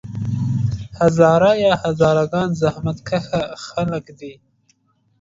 هزاره یا هزاره ګان زحمت کښه خلک دي.